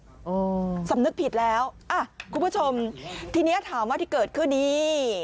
อืมสำนึกผิดแล้วอ่ะคุณผู้ชมทีเนี้ยถามว่าที่เกิดขึ้นนี้